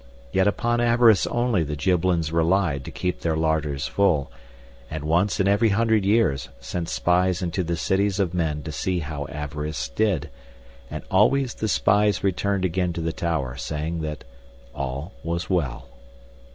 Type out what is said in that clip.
Yet upon avarice only the Gibbelins relied to keep their larders full, and once in every hundred years sent spies into the cities of men to see how avarice did, and always the spies returned again to the tower saying that all was well.